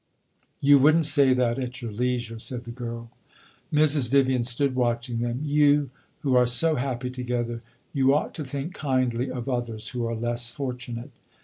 "You would n't say that at your leisure," said the girl. Mrs. Vivian stood watching them. "You, who are so happy together, you ought to think kindly of others who are less fortunate."